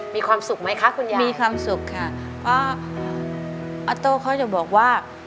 มีความสุขไหมคะคุณยายมีความสุขค่ะเพราะออโต้เขาจะบอกว่า